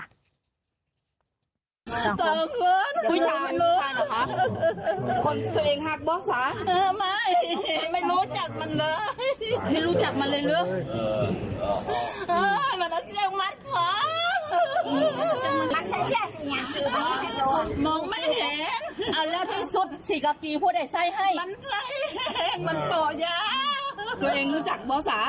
บอกว่าสาวไม่รู้จัก